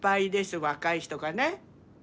若い人がね。